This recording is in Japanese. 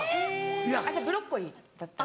じゃあブロッコリーだったら。